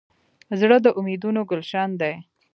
زړه د امیدونو ګلشن دی.